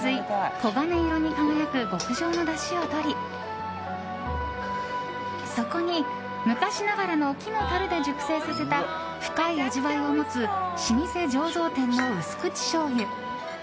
黄金色に輝く極上のだしをとりそこに昔ながらの木のたるで熟成させた深い味わいを持つ老舗醸造店の薄口しょうゆ